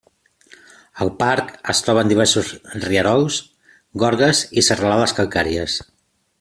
Al parc es troben diversos rierols, gorges i serralades calcàries.